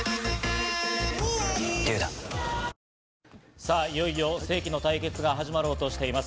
さあ、いよいよ世紀の対決が始まろうとしています。